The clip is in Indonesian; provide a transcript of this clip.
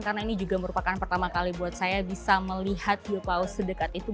karena ini juga merupakan pertama kali saya bisa melihat hiupaus di dekat di bawah